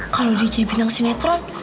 kalau dia jadi bintang sinetron